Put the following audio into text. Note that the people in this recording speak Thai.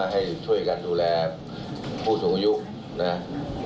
ให้ช่วยกันดูแลผู้สูงอายุนะ